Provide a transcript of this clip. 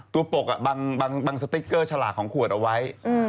ตัวปกบังสติกเกอร์ฉลากขวดเอาไว้